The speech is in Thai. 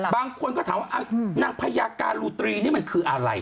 บางคนก็ถามว่านางพญาการูตรีนี่มันคืออะไร